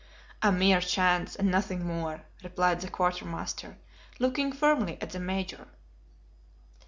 "A mere chance, and nothing more," replied the quartermaster, looking firmly at the Major.